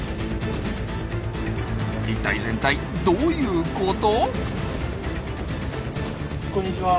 一体全体どういうこと？